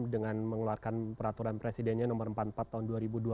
dengan mengeluarkan peraturan presidennya nomor empat puluh empat tahun dua ribu dua puluh